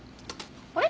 あれ？